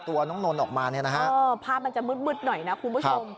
ตัวน้องนนท์ออกมาเนี่ยนะฮะภาพมันจะมืดหน่อยนะคุณผู้ชม